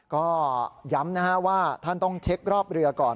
ก็ย้ำนะฮะว่าท่านต้องเช็ครอบเรือก่อน